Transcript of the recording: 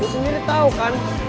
lo sendiri tau kan